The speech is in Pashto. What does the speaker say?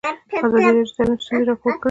ازادي راډیو د تعلیم ستونزې راپور کړي.